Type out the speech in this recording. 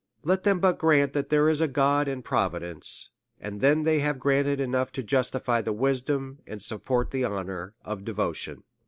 Let them but grant that there is a God, and Providence, and then they have granted enough to justify the wisdom, and support the honour of devotion.